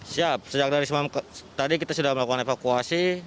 siap sejak dari semalam tadi kita sudah melakukan evakuasi